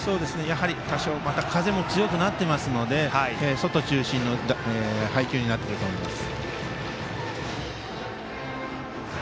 多少風も強くなっていますので外中心の配球になると思います。